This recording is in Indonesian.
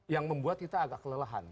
yang membuat kita agak kelelahan